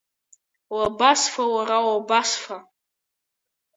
Уабасфа, уара, уабасфа?!